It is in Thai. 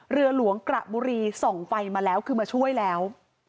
เรือหลวงกระบุรีส่องไฟมาแล้วคือมาช่วยแล้ว